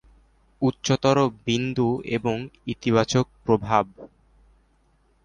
উচ্চতর বিন্দু এবং ইতিবাচক প্রভাব।